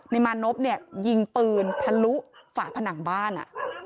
มานพเนี่ยยิงปืนทะลุฝาผนังบ้าน